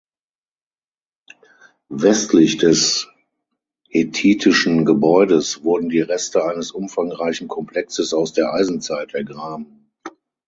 Westlich des hethitischen Gebäudes wurden die Reste eines umfangreichen Komplexes aus der Eisenzeit ergraben.